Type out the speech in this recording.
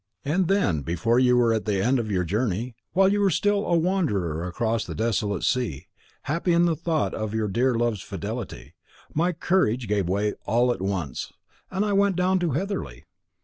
And then before you were at the end of your journey, while you were still a wanderer across the desolate sea, happy in the thought of your dear love's fidelity, my courage gave way all at once, and I went down to Heatherly.